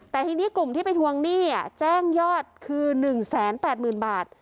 แต่ทีนี้กลุ่มที่ไปทวงหนี้อ่ะแจ้งยอดคือหนึ่งแสนแปดหมื่นบาท